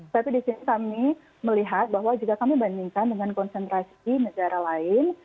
tapi di sini kami melihat bahwa jika kami bandingkan dengan konsentrasi negara lain